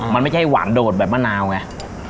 มันไม่ใช่หวานโดดแบบมะนาวไง